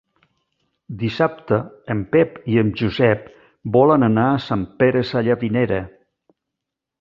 Dissabte en Pep i en Josep volen anar a Sant Pere Sallavinera.